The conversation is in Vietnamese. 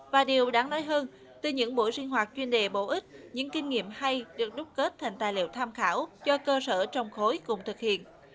và điều đáng nói hơn từ những buổi sinh hoạt chuyên đề bổ ích những kinh nghiệm hay được đúc kết thành tài liệu tham khảo do cơ sở trong khối cùng thực hiện